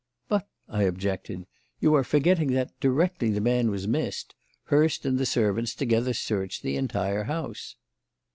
"But," I objected, "you are forgetting that, directly the man was missed, Hurst and the servants together searched the entire house."